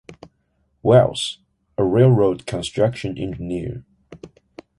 Wells, a railroad construction engineer.